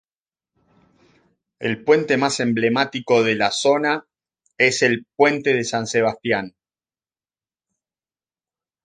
El puente más emblemático de la zona es el "Puente de San Sebastián".